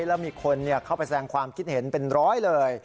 แล้วมีคนเข้าไปแสงความคิดเห็นเป็นร้อยเลย